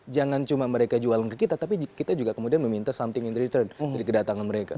jangan cuma mereka jualan ke kita tapi kita juga kemudian meminta something in return dari kedatangan mereka